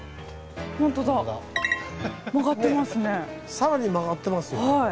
更に曲がってますよね